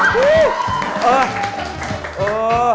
เออเออเออ